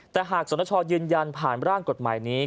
แต่หากสนชยืนยันผ่านร่างกฎหมายนี้